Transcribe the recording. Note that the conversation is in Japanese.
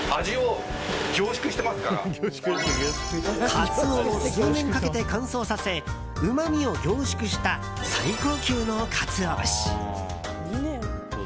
カツオを数年かけて乾燥させうまみを凝縮した最高級のカツオ節。